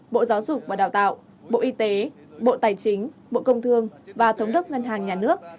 bộ giáo dục và đào tạo bộ y tế bộ tài chính bộ công thương và thống đốc ngân hàng nhà nước